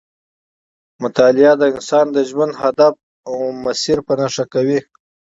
مطالعه د انسان د ژوند هدف او مسیر په نښه کوي.